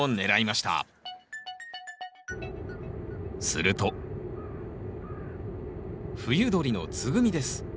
すると冬鳥のツグミです。